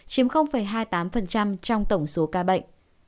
chiếm hai mươi tám trong tổng số ca bệnh